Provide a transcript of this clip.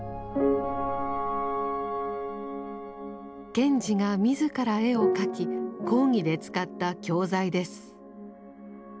賢治が自ら絵を描き講義で使った教材です。